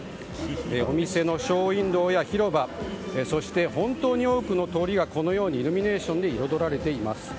お店のショーウィンドーや広場そして本当に多くの通りがこのようにイルミネーションで彩られています。